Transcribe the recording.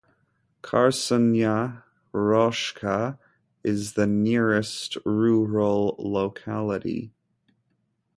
Krasnaya Roshcha is the nearest rural locality.